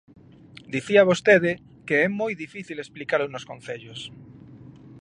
Dicía vostede que é moi difícil explicalo nos concellos.